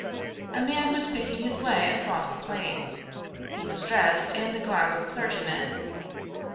A man was picking his way across the plain. He was dressed in the garb of a clergyman.